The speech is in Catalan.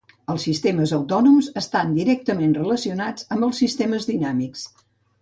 Els sistemes autònoms estan directament relacionats amb els sistemes dinàmics.